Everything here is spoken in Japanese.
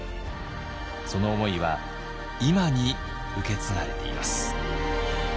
その思いは今に受け継がれています。